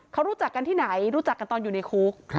เขารู้จักกันที่ไหนรู้จักกันตอนอยู่ในคุก